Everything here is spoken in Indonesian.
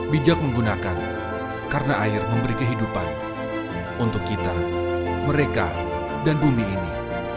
bijak menggunakan karena air memberi kehidupan untuk kita mereka dan bumi ini